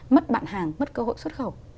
mất bạn hàng mất cơ hội xuất khẩu